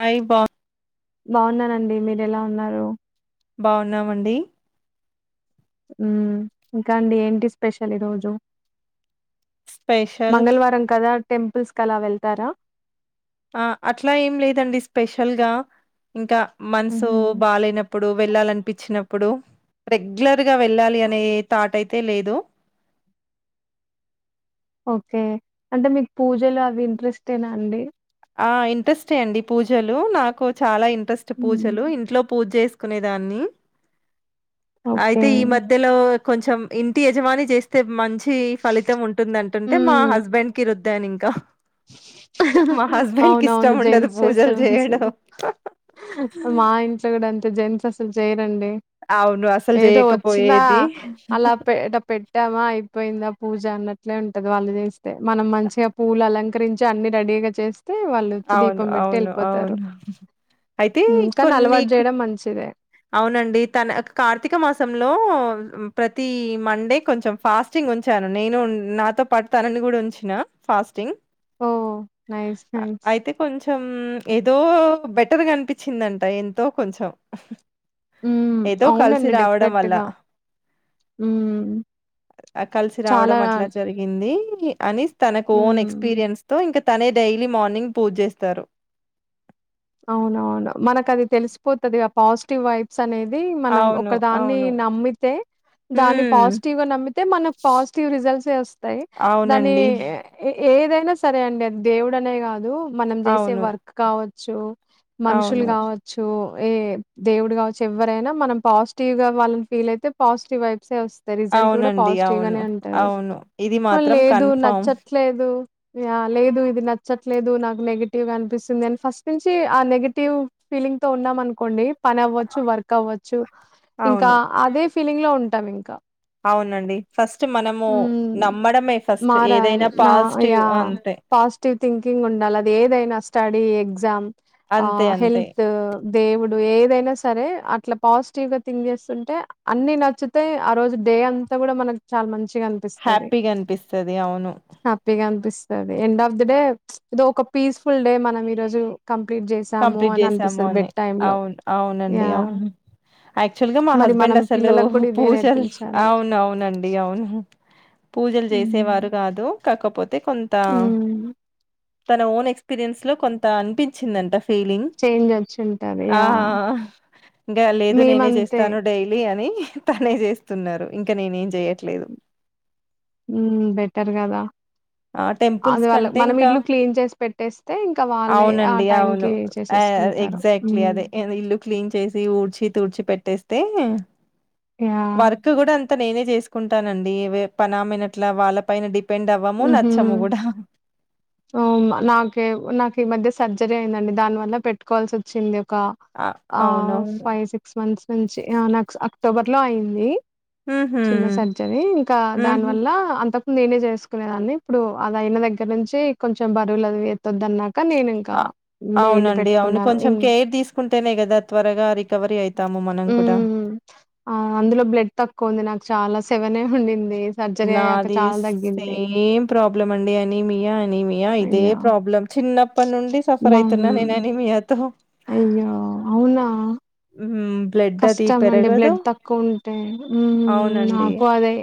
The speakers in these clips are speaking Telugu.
హాయ్ బా బాగున్నానండి మీరు ఎలా ఉన్నారు బాగున్నామండి ఉమ్ ఇంకా అండి ఏంటి స్పెషల్ ఈ రోజు స్పెషల్ మంగళవారం కదా టెంపుల్స్ క అలా వెళ్తారా ఆ అట్లా ఏం లేదండి స్పెషల్గా ఇంకా మనసు ఊహూ బాలేనపుడు వెళ్ళాలనిపించినప్పుడు రెగ్యులర్ గా వెళ్ళాలి అనే థాట్ అయితే లేదు ఓకే అంటే మీకు పూజలో అవి ఇంట్రెస్టెనా అండి ఆ ఇంట్రెస్ట్ అండి పూజలు నాకు చాలా ఇం ట్రెస్ట్ మ్మ్ పూజలు ఇంట్లో పూజ చెస్ కొనేదని ఓకే అయితే ఈ మధ్యలో కొంచెం ఇంటి యజమాని చేస్తే మంచి కి ఫలితం ఉంటుంది అంటుంటే మా మ్మ్ హస్బెండ్ కి రుద్ దని ఇంకా మా హస్బెండ్ కి ఇష్టం అవునవును ఉండదు జెంట్స్ చేస్తే పూజలు మంచిది చేయడం మా ఇంట్లో కూడా అం జెంట్స్ అసల్ చెయ్ రండి అవును. అసలు ఏదో వచ్చినా జేయకపోయేది. అలా పెడ్ పెడ్తామా అయిపోయిందా పూజ అన్న ట్లే ఉంటదొ వాళ్ళు జేస్తే మనం మంచిగా పూలు అలం కరించి అన్ని రెడీగా చెస్ తే వాళ్ళు వచ్చి అవును. దీపం పెట్టి అవును. వెళ్ళిపోతారు అవును. అయితే ఉమ్ కానీ కొన్ని అలవాటు చేయడం మంచిదే అవునండి తన కార్తీక మాసంలో ప్రతి మండే కొంచెం ఫాస్టింగ్ ఉంచాను నేను నాతో పాటు తనని కూడా ఉంచిన ఫాస్టింగ్ ఓ నైస్ నైస్ అయితే కొంచెం ఉమ్ ఏదో బెటర్గా అనిపించిందంట ఎంతో కొంచెం ఏదో కలిసి అవునండి రావడం డెఫినెట్ వల్ల గా ఉమ్, కలిసి చాలా రావడం అట్లా జరిగింది ఇ అనిస్ తనకు ఓన్ ఉమ్. ఎక్స్పీరియన్స్ తో ఇంకా తనే డైలీ మార్నింగ్ పూజ జేస్తారు అవునవును మనకు అది తెలిసిపోతుది ఆ పాజిటివ్ వైబ్స్ అనేది మనం ఒక అవును. దాన్ని అవును. నమ్మితే దా హ్మ్. పాజిటివ్ నమ్తే మన పాజిటివ్ రిజల్ట్స్ వస్తాయి దాని అవునండి. ఏదైనా సరే అండి అది దేవుడు అనే కాదు మనం జేసే అవును. వర్క్ కావచ్చ డు మనుషులు అవును. కావచ్చు ఏ దేవుడు గావచ్చు ఎవరైనా మనం పాజిటివ్ గా వాళ్ళని ఫీల్ అయితే పాజిటివ్ అయి సే వస్తాయి రిజల్ట్ కూడా అవునండి. పాజిటివ్ అవును. గానే ఉంటుంది అవును. ఇది మళ మాత్రం లేదు కన్ఫర్మ్. నచ్చట్లేదు య లేదు ఇది నచ్చట్లేదు నాకు నెగటివ్గా అనిపిస్తుంది అని ఫస్ట్ నుంచి ఆ నెగటివ్ ఫీలింగ్ తో ఉన్నాం అనుకోండి పని అవ్వచ్చు వర్క్ అవ్వచ్చు ఇంకా అవును. అదే ఫీలింగ్ లో ఉంట టమింకా అవునండి ఫస్ట్ మనము హ్మ్. నమ్మడమే ఫస్ట్ మారాలి ఏదైనా నా పాజిటివ్ యాహ్! అంతే పాజిటివ్ థింకింగ్ ఉండాలి అది ఏదైనా స్టడీ ఎ జామ్ ఆ అంతే. అంతే. హెల్త్ దేవుడు ఏదైనా సరే అట్లా పాజిటివ్ గా థింక్ చేస్తుంటే అన్ని నచ్చుతే ఆ రోజు డే అంతా కూడా మన చాలా మంచి హ్యాపీగా అనిపిస్తది అవును సరే ఎండ్ ఆఫ్ ది డే ఇదో ఒక పీస్ఫుల్ డే మనం ఈరోజు కంప్లీట్ చేసాము కంప్లీట్ అని చేసాము అనిపిస్తది అని బెడ్ టైమ్‌లో. అవును అవును అండి యాహ్! అవును యాక్చ్యువల్ గా మా మరి హస్బేండ్ మనం అసలు పిల్లలకు కూడా ఇదే పూజా నేర్పించాలి. అవును అవునండి అవును పూజలు జేసేవారు హ్మ్. కాదు కాకపో కొంత హ్మ్. తన ఓన్ ఎక్స్పీరియన్స్ లో కొంత అనిపించిందంట ఫీలింగ్ చేంజ్ వచ్చుంటది. ఆ యాహ్! ఇంకా లేదు నేనే మేమంతే చేస్తాను డైలీ అని తనే చేస్తున్నారు ఇంకా నేన్ ఏం ఊ బెటర్ కదా ఆ అది టెంపుల్స్ వాళ్ళ కంటే మనం ఇంకా, ఇల్లు క్లీన్ చేసి పెట్టేస్తే ఇంకా వాళ్ళే ఆ అవునండి అవును టైంకి చేసేసుకుంటారు. ఎగ్జాక్ట్లీ హ్మ్. అదే ఇల్లు క్లీన్ చేసి ఊడ్చి తూడ్చి పెట్ తెస్తే యాహ్! వర్క్ కూడా అం నేనే చేసుకుంటానండి పనామైనట్ల వాళ్ళ పైన డిపెండ్ మము నచ్చము గుడ ఊ హ నాకే నాకీ ఇ మధ్య సర్జరీ అయిందండి దాని వల్ల పెట్టుకోవాల్సి వోచ్చింది ఒక ఆ అ అవునవును ఫైవ్ సిక్స్ మంథ్స్ మంచి ఆ నాక్స్ అక్టోబర్ లో ఐయింది ఉహూ చిన్న సర్జరి ఇంకా దాని ఉహూ వల్ల అంత నేనే చేసుకునేదాన్ని ఇప్పుడు అలా అయిన దగ్గర్ నుంచి కొంచెం బరువులు అది ఎత్తోదన్నార్ కాన్ నేనింకా మెయిడ్ ని పెట్టుకున్నాను ఇన్ కుంటేనే కదా త్వరగా రిక్ ఉమ్ ఆ అందులో బ్లడ్ తక్కువ ఉంది నాకు చాలా సెవనె హుండింది నాది సేమ్ ప్రాబ్లం అండి అనిమీయా అనిమీయా ఇదే అయ్యో! ప్రాబ్లమ్ చిన్ న్నప్పట్ నుండి సఫర్ మా అయితున్నా నేను అనిమీయాతో అయ్యో అవునా హ్మ్ బ్లడ్ అది కష్టం అండి పెరగదు బ్లడ్ తక్కువ ఉంటే. ఉమ్మ్మ్ అవునండి నాకు అదే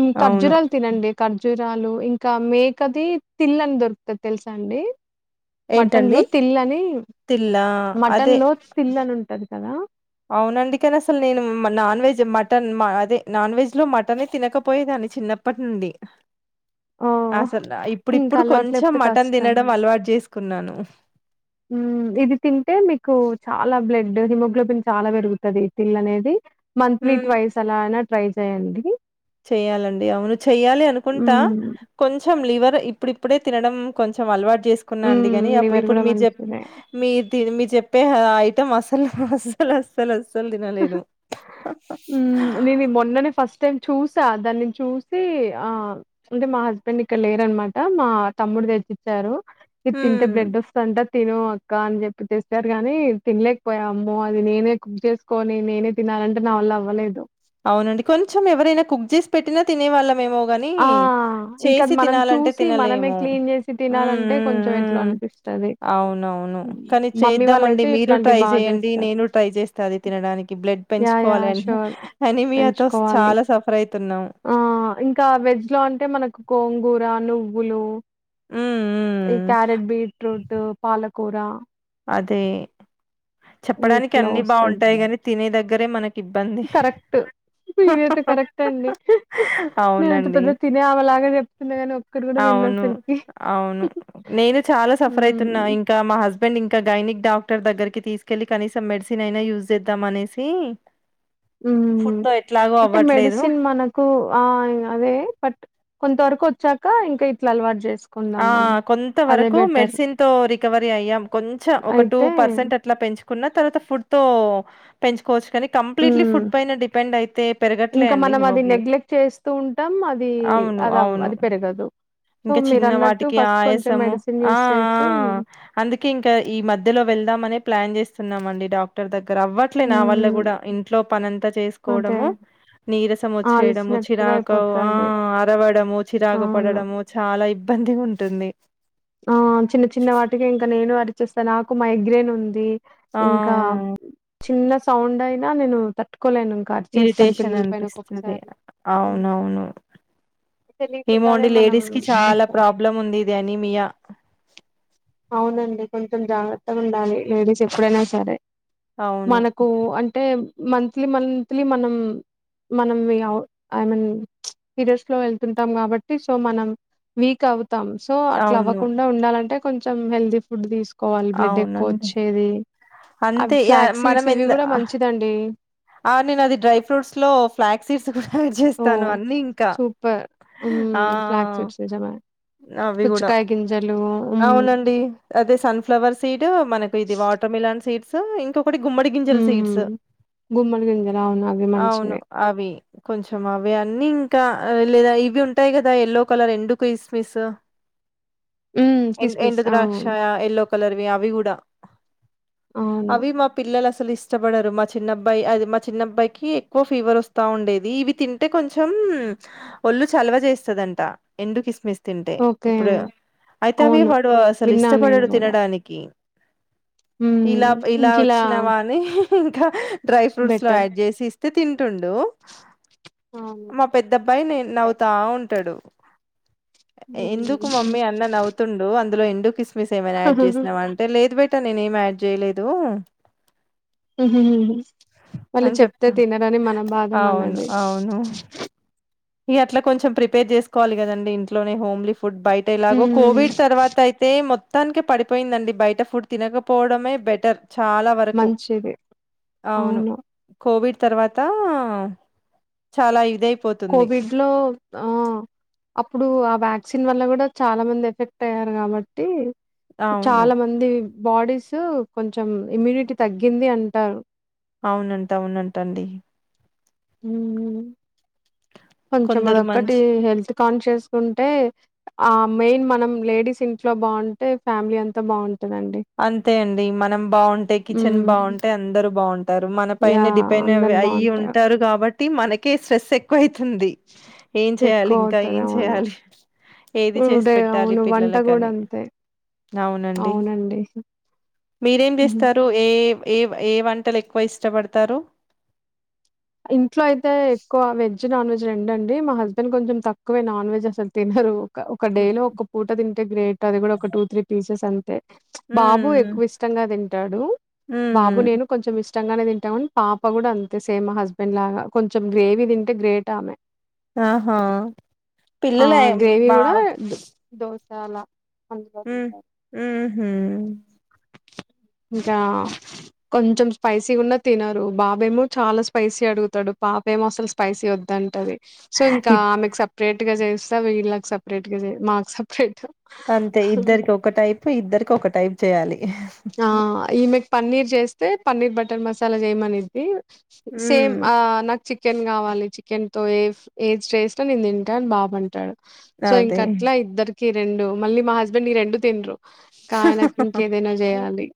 ఉ అవును ఖర్జురాలు తినండి ఖర్జ్ జురాలు ఇంకా మేకది తిల్లన్ దొరుకుతది తెలుసా అండి మటన్ ఏంటండి లో తిల్ అని, తిల్లా మటన్ అదే లో తెల్లని ఉంటది. కదా అవునండి కన్ అసలు నేను మా నాన్ వెజ్ మటన్ మా అది నాన్ వెజ్లో మటనే తినకపోయేదాన్ని చిన్నప్పట్ నుండి ఆ అసల్ ఆ ఇంకా ఇప్పుడిప్పుడు అలవాటు కొంచెం లేకపోతే మటన్ కష్టం తినడం అలవాట్ చేస్ కున్నాను ఉమ్ ఇది తింటే మీకు చాలా బ్లడ్ డ్ హిమోగ్లోబిన్ చాలా పెరుగుతది తిల్ అనేది మంథ్లీ ట్వైస్ అలా అనాత్ ట్రై చేయండి చెయాలండి అవును చెయ్యాలి అనుకుంటా మ్మ్ కొంచెం లీవరే ఇప్పుడ్ ఇప్పుడే తినడం కొంచెం అలవాట్ తీసుకున్నా అండి మ్మ్ గాని అప్పు లివర్ ఇప్పుడు కూడా మీర్ చెప్ మంచిదే మీర్ తి మీర్ చెప్ ఇప్పుడే ఐటమ్ అసలు అసలు అసలు వస్తలే అస్సలు తినలేదు ఉమ్ నీవి మొన్ననే ఫస్ట్ టైమ్ చూసా దాన్ని చూసి ఆ అంటే మా హస్బెండ్ ఇక్కడ లేరన్ మాట మా తమ్ముడు తెచ్చిచ్చారు. ఇద్ తింటే హ్మ్ బ్లడ్ ఒస్తంట తిను అక్క అని చెప్పి తెస్తారు కాని తిన్ లేకపోయా అమ్మో అది నేనే కుక్ చేసుకోని నేనే తినాలంటే నా వల్ల అవ్ వ్వలేదు అవునండి కొంచెం ఎవరైనా కుక్ చేసి పెట్టిన తినే వాళ్ళమేమో వనీ ఆ! చేసి ఇంకది మనం తినాలంటే చూసి, మనమే తినలేము. క్లీన్ జేసి ఉమ్ తినాలంటే ఉమ్ కొంచెం ఎట్లో ఉమ్ అనిపిస్తది. అవునవును హ్మ్. కానీ మమ్మీ చేద్దామండి వాళ్ళైతే మీరు ఇట్లాంటివి ట్రై బా చేయండి జేస్తారు. నేను ట్రై చేస్తా అది తినడానికి బ్లడ్ యాహ్! పెంచుకోవాలి యాహ్! ష్యూర్ అని అనిమీయాతో స్ పెంచుకోవాలి. చాలా సఫర్ అయితర్ ఆ ఇంకా వెజ్ లో అంటే మనకు కోన్ గూర నువ్వులు హ్మ్ ఈ హ్మ్ క్యారెట్ బీట్రూట్ పాలక్ కూరా అదే చెప్పడానికి వీటిలో అన్నీ వస్తది. బావుంటాయి గాని తినేదగ్ గరే మన కరెక్ట్ ఇది అయితే కరెక్టే అండి నేనంత అవునండి. పెద్ద తినే అమెలాగా చెప్తున్నా గాని ఒక్కటి కూడా తిన్ను అవును. అసలుకి. అవును. స్బండ్ ఇంకా గైనిక్ డాక్టర్ దగ్గరికి తీసుకెళ్లి, కనీసం మెడిసిన్ అయినా యూజ్ చేద్దామనేసి హ్మ్ అంటే అవ్వట్లేదు. మెడిసిన్ మనకు ఆ ఇంగ అదే బట్ కొంత వరకు వచ్చాక ఇంకా ఇట్లా అలవాటు చేస్ ఆ కొంత వరకు మెడిసిన్ తో రికవరీ అయ్యాం. కొంచెం ఒక టూ అయితే పర్సెంట్ అట్లా పెంచ్ కున్నా తర్వాత ఫుడ్ తో పెంచుకోవచ్చు. కానీ కంప్లీట్‌లీ హ్మ్ ఫుడ్ పైన డిపెండ్ అయితే పెరగట్లే ఇంకా అండి మనం అది హిమోగ్లో నెగ్లెక్ట్ చేస్తూ ఉంటాం అది అవును. అది అవ్వ్ అవును. అది పెరగదు సో ఇంకా మీరు చిన్న వాటికి ఆయాసము ఆ ఆ చేసి అందుకే ఇంకా ఈ మధ్యలో వెళ్దాం అనే ప్లాన్ చేస్తున్నామండి డాక్టర్ దగ్ రవ్వట్లే నా వల్ల హ్మ్ కూడా ఇంట్లో పనంతా అదే చేసుకోవడము, నీరసం వచ్చేయడము, అలిసినట్టుగా చిరాకు ఆ అయిపోతది. అరవడము చిరాకు అవును. పడడము చాలా ఇబ్ ఇబ్బంది గుంటుంది ఆ చిన్న చిన్న వాటికి ఇంకా నేను అర్ చ్చేస్తా నాకు మైగ్రేన్ ఉంది. ఆ ఇంకా చిన్న సౌండ్ అయినా నేను తట్ ఇరిటేషన్ అనిపిస్తది హ్మ్ అవునవును ఏమో తెలియకుండానే అండి మనం లేడీస్ కి చాలా కొంచెం ప్రాబ్లం ఉంది ఇది అనీమియా అవునండి కొంచెం జాగ్రత్తగా ఉండాలి లేడీస్ ఎప్పుడైనా సరే. అవును. మనకు అంటే మంత్లీ మంత్లీ మనం మనం అవ్ ఐ మీన్ పీరియడ్స్ లో వెళ్తుంటాం కాబట్టి సో మనం వీక్ అవ్ తాం సో అట్లా అవును. అవ్వకుండా ఉండాలంటే కొంచెం హెల్దీ ఫుడ్ తీస్ కోవాలి బ్లెడ్ అవునండి. ఎక్కువొచ్చేది అవి అంతే యాహ్! ఫ్లాక్ సీడ్స్ ఇవి గూడ మంచిదండి. ఔ నేనది డ్రై ఫ్రూట్స్ లో ఫ్లాక్ సీడ్స్ [unintelligible] డేర్ ఓ చేస్తాను అన్నీ ఇంకా సూపర్ ఆ హ్మ్ ఫ్లాక్ సీడ్స్ నిజమే అవి గూడా పుచ్చకాయ గింజలు హ్మ్ అవునండి అదే సన్ఫ్లవర్ సీడ్ మనకు ఇది వాటర్ మిలన్ సీడ్స్ దుమ్ ఇంకా ఒకటి గుమ్మడి గింజల సీడ్స్ మిమ్మల్ గింజలా అవి అవును. మంచివి అవి. కొంచెం అవి అన్నీ ఇంకా లేదా ఇవి ఉంటాయి కదా యల్లో కలర్ ఎండు కిస్మిస్ హ్మ్ ఎం కిస్మిస్ ఎండు ఆ ద్రాక్ష ఎల్లో కలర్ వి అవి కూడా అవును అవి మా పిల్లల ఇష్టపడారు మా చిన్న అబ్బ అది మా చిన్నబ్బాయికి ఎక్కువ ఫీవర్ వస్తా ఉండేది ఇవి తింటే కొంచెం ఒళ్లుు చలవ చేస్తదంట ఎండు కిస్మిస్ తింటే ఓకే ఇప్పుడు అయితే అవి అవును వాడు అసలు విన్నాను నేను ఇష్టపడాడు కూడా తినడానికి ఇలా హ్మ్ ఇలా ఇంకిలా వచ్చినవాని ఇకా డై ఫ్రూట్స్ లో బెటర్ యాడ్ చేసి ఇస్తా తింటుండు అవును మా పెద్ద అబ్బాయినే రైట్ నవ్వుతా ఉంటాడు ఎందుకు మమ్మీ అన్న నవుతుండు అ లో ఎండు కిస్ స్ ఏమై యాడ్ చేసినవంటే లేదు బట్టి అ నేనే ఏం యాడ్ చేయలేదు హహ వాళ్ళు అని చెప్తే చెప్తాం. తినరని మన బాధ అవును. మాన్నది ఇ అట్లా కొంచం ప్రీపేర్ చేసుకోవాలి కదండి ఇంట్లోనే హోమ్లీ ఫు ఫుడ్ బయట ఎలాగో హ్మ్ కోవిడ్ తర్వాత అయితే మొ త్తానిక పడిపోయిందండి బయట ఫుడ్ తినకపోవడమే బెటర్ చాలా వరకు మంచిది అవును కోవిడ్ తర్వాత చాలా ఇదయి కోవిడ్ లో ఆ అప్పుడు ఆ వ్యాక్సిన్ వల్ల కూడా చాలా మంది ఎఫెక్ట్ అయ్యారు కాబట్టి అవును. చాలా మంది బాడీస్ కొంచెం ఇమ్యూనిటీ తగ్గింది అంటారు అవునంట అవునంట అండి హు కొంచెం కొందరు అదొక్కటి మంచి హెల్త్ కాన్షియస్ ఉంటే ఆ మెయిన్ మనం లేడీస్ ఇంట్లో బాగుంటే ఫ్యామిలీ అంతా బాగుంటు అంతే అండి మనం బావుంటే కిచెన్ హ్మ్ బావుంటే అందరు బావుంట టారు మన యా పైన డిపెండ్ అందరు అయి బాగుంటారు ఉంటారు కాబట్టి మనకి స్ట్రెస్ ఎక్కువయి తుంది ఏం చేయాలి ఎక్కువ ఇంకా అవుతది ఏం అవును చేయాలి ఏది చేసి డే పెట్టాలి అవును వంట కూడా పిల్లలకని అంతే అవునండి మీరేం హుహు. చేస్తారు ఏ ఏ ఏ వంటలు ఎక్కువ ఇష్టపడతారు ఇంట్లో అయితే ఎక్కువ వెజ్ నాన్ వెజ్ రెండు అండి మా హస్బెండ్ కొంచెం తక్కువే నాన్ వెజ్ అసలు తినరు ఒక డే లో ఒక పూట తింటే గ్రేట్ అది కూడా ఒక టూ త్రీ పీసెస్ అం బాబు ఉమ్ ఎక్కువ ఇష్టంగా తింటాడు బాబు ఉమ్ నేను కొంచెం ఇష్ట ఇష్టంగానే తింటాముండి పాప కూడా అంతే సేమ్ హస్బెండ్ లాగా కొంచం గ్రేవీ తింటే గ్రేట్ ఆమె ఆహా పిల్లల మా దోసా అల హ్మ్మ్ ఉహు ఇంకా కొంచెం స్పైసీ గున్నా తినరు బాబు ఏమో చాలా స్పైసీ అడుగుతాడు పాప ఏం అసలు స్పైసీ వద్దంటది సో ఇంకా ఆమెకు సపరేట్ గా చేస్తా వీళ్ళకి సపరేట్ గా మాకు సపరేట్ అంతే ఇద్దరికి ఒక టైపు ఇద్దరికి ఒక టైప్ చేయాలి వస్తే పన్నీర్ బటర్ మసాలా చేయమనేది ఉమ్ సేమ్ ఆ నాకు చికెన్ కావాలి చికెన్ తో ఏ ఎదిచేసిన నేను తింటా అని బాబంటాడు సో ఇంక అదే అట్లా ఇద్దరికి రెండు మళ్ళీ మా హస్బెండ్ ఈ రెండు తినరు ఇంకా ఆయనకి ఇంకేదైనా చేయాలి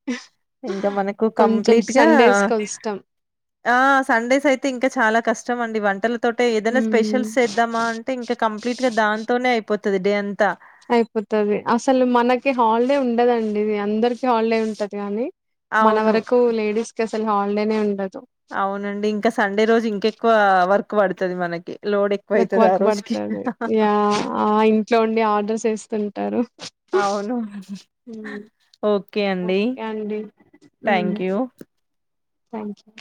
ఇంకా మనకు కొంచెం కంప్లీట్ గా సండేస్ కొంచెం ఆ సండేస్ అయితే ఇంకా చాలా కష్టం అండి వంట లతోటే ఏదైనా హ్మ్ స్పెషల్స్ చేద్దామా అంటే ఇంకా కంప్లీట్ గా దాంతోనే పొత్తది డే అంతా అయిపోతుది అసలు మనకి హాలిడే ఉండదండి ఇది అందరికి హాలిడే ఉంటది కాని మన అవును. వరకు లేడీస్ క హాలిడేనే ఉండదు అవునండి ఇంకా సండే రోజు ఇంకెక్కువ వర్క్ పడుతుంది ది మనకి లోడ్ ఎక్కువైతది ఆ ఎక్కువరకు రోజుకి. పడుతది ఇ ఆ ఇంట్లో ఉండి ఆర్డర్స్ వేస్తుంటారు అవును. ఓకే అండి. Thank you. Thank you